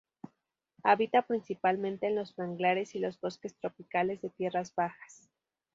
Habita principalmente en los manglares y los bosques tropicales de tierras bajas.